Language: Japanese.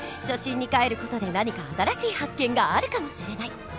初心にかえる事で何か新しい発見があるかもしれない！